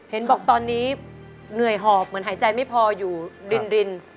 เห็นบอกตอนนี้เหนื่อยหอบเหมือนหายใจไม่พออยู่ริน